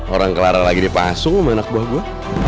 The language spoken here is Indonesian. orang clara lagi dipasung sama anak buah gue